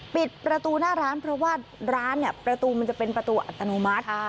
ปิดประตูหน้าร้านเพราะว่าร้านเนี่ยประตูมันจะเป็นประตูอัตโนมัติ